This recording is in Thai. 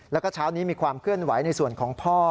แล้วก็เช้านี้มีความเคลื่อนไหวในส่วนของพ่อ